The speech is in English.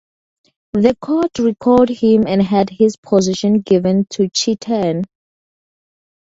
The court recalled him and had his positions given to Chi Tan.